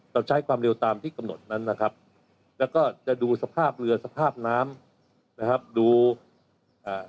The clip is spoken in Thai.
เราใช้ความเร็วตามที่กำหนดนั้นนะครับแล้วก็จะดูสภาพเรือสภาพน้ำนะครับดูอ่า